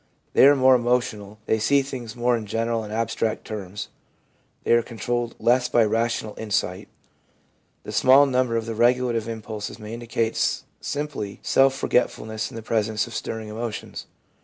They are more emotional ; they see things more in general and abstract terms ; they are controlled less by rational insight. The smaller number of the regulative impulses may indicate simply self forgetfulness in the presence of stirring emotions.